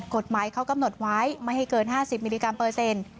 กฎหมายเขากำหนดไว้ไม่ให้เกิน๕๐มิลลิกรัมเปอร์เซ็นต์